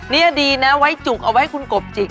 นี่ดีนะไว้จุกเอาไว้ให้คุณกบจิก